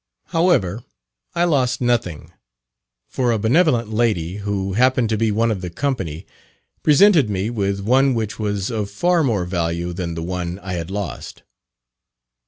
However, I lost nothing; for a benevolent lady, who happened to be one of the company, presented me with one which was of far more value than the one I had lost.